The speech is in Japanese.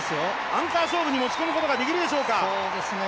アンカー勝負に持ち込むことができるでしょうか。